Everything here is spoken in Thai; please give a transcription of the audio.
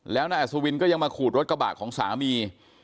แล้วนายอัศวินก็ยังมาขูดรถกระบะของสามี